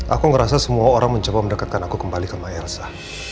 aku ngerasa semua orang mencoba mendekatkan aku kembali sama elsa